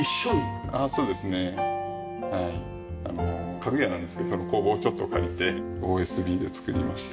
家具屋なんですけどその工房をちょっと借りてＯＳＢで作りました。